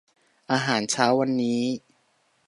อาหารเช้าวันนี้